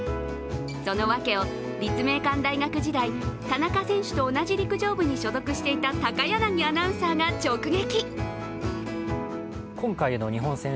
その訳を立命館大学時代田中選手と同じ陸上部に所属していた高柳アナウンサーが直撃。